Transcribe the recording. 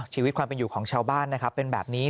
ชีวิตความเป็นอยู่ของชาวบ้านนะครับเป็นแบบนี้